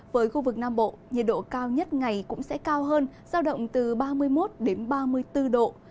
với khu vực nam bộ nhiệt độ cao nhất ngày cũng sẽ cao hơn giao động từ ba mươi một đến ba mươi bốn độ